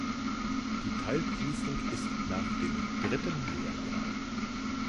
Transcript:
Die Teilprüfung ist nach dem dritten Lehrjahr.